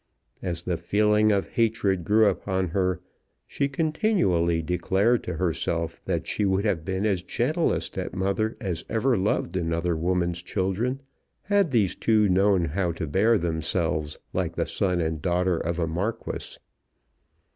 As the feeling of hatred grew upon her, she continually declared to herself that she would have been as gentle a stepmother as ever loved another woman's children, had these two known how to bear themselves like the son and daughter of a Marquis.